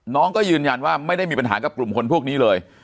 น้องก็ยืนยันว่าไม่ได้มีปัญหากับกลุ่มคนพวกนี้เลย